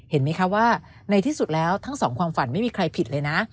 เห็นไหมคะว่าในที่สุดแล้วทั้งสองความฝันไม่มีใครผิดเลยนะ